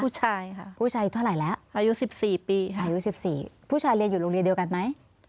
ผู้ชายค่ะผู้ชายเท่าไหร่แล้วอายุ๑๔ปีค่ะอายุ๑๔ผู้ชายเรียนอยู่โรงเรียนเดียวกันไหม